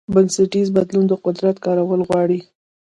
بنسټیز بدلون د قدرت کارول غواړي.